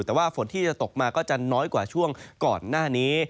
แต่ว่าฝนที่จะตกมาก็จะน้อยกว่าช่วงก่อนหน้านี้